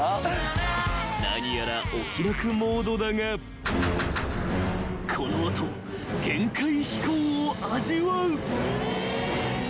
［何やらお気楽モードだがこの後限界飛行を味わう］